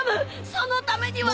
そのためには。